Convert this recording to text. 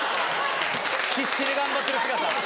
必死に頑張ってる姿。